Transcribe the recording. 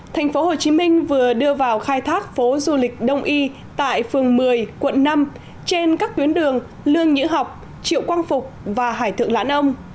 thành phố hồ chí minh vừa đưa vào khai thác phố du lịch đông y tại phường một mươi quận năm trên các tuyến đường lương nhữ học triệu quang phục và hải thượng lãn âu